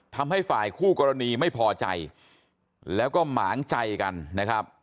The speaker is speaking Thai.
ทำให้ฝ่ายคู่กรณีไม่พอใจแล้วก็หมางใจกันนะครับ